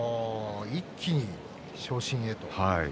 一気に昇進へと。